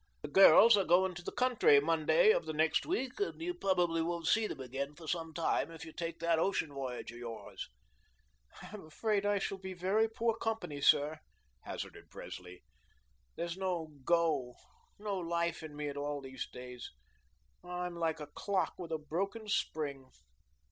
The girls are going to the country Monday of next week, and you probably won't see them again for some time if you take that ocean voyage of yours." "I'm afraid I shall be very poor company, sir," hazarded Presley. "There's no 'go,' no life in me at all these days. I am like a clock with a broken spring."